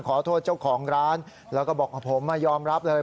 ขอโทษเจ้าของร้านแล้วก็บอกผมมายอมรับเลย